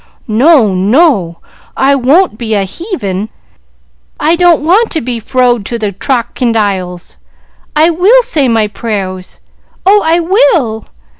"No, no; I won't be a heevin! I don't want to be frowed to the trockindiles. I will say my prayers! oh, I will!"